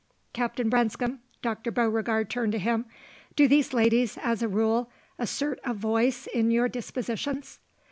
"Captain Branscome" Dr. Beauregard turned to him "do these ladies, as a rule, assert a voice in your dispositions?"